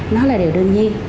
nó là điều đương nhiên